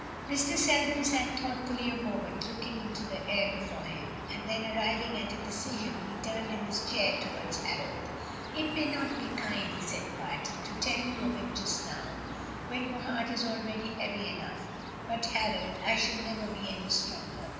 Mr. Selden sat thoughtfully a moment looking into the air before him, and then arriving at a decision, he turned in his chair toward Harold: "It may not be kind," he said quietly, "to tell you of it just now, when your heart is already heavy enough; but, Harold, I shall never be any stronger.